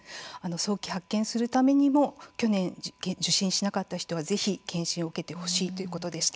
早期発見するためにも去年受診してなかった人はぜひ検診を受けてほしいということでした。